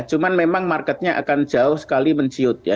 cuma memang marketnya akan jauh sekali menciut ya